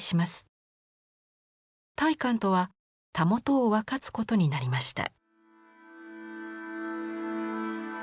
大観とはたもとを分かつことになりました。